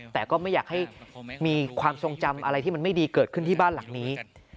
แต่ก็ไม่อยากให้มีความทรงจำอะไรที่มันไม่ดีเกิดขึ้นที่บ้านหลังนี้